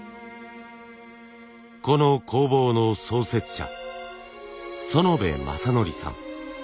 この工房の創設者薗部正典さん。